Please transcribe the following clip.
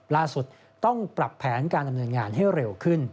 ล่าสุดต้องปรับแผนการดำเนินงานให้เร็วขึ้น